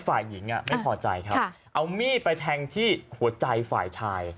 ฝ่ายหญิงไม่พอใจครับเอามีดไปแทงที่หัวใจฝ่ายชาย